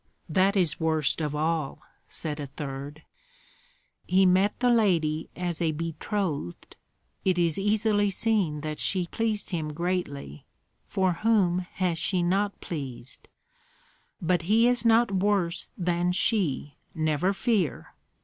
"That is worst of all," said a third. "He met the lady as a betrothed. It is easily seen that she pleased him greatly, for whom has she not pleased?" "But he is not worse than she, never fear!